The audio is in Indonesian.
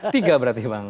tiga berarti bang